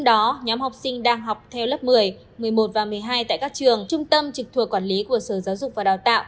nhóm học sinh đang học theo lớp một mươi một mươi một và một mươi hai tại các trường trung tâm trực thuộc quản lý của sở giáo dục và đào tạo